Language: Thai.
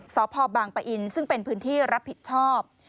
สพบางปะอินซึ่งเป็นพื้นที่รับผิดชอบ